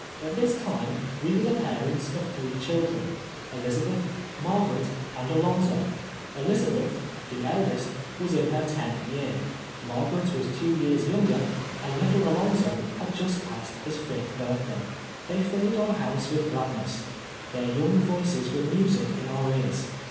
At this time we were the pavcu' ; of three children ■— Elizabeth, Margaret, and Alon;^'. Elizabeth, the HO:.rE AXD ITS PLEASlEES. 27 eldest. Tvos in lier tentli year ; Margaret was two years younger, and little Alonzo had just passed liis fifth birth day. They filled our house with ghidness. Their young voices were music in our ears.